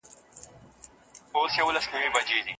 کتابونه په مینه لوستل کېږي.